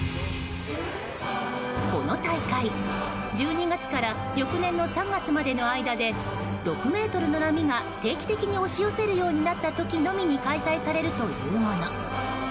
この大会、１２月から翌年の３月までの間で６ｍの波が定期的に押し寄せるようになった時のみに開催されるというもの。